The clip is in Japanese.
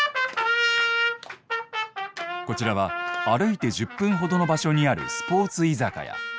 こちらは歩いて１０分ほどの場所にあるスポーツ居酒屋。